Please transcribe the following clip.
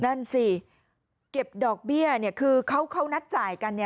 นั่นสิเก็บดอกเบี้ยคือเขานัดจ่ายกัน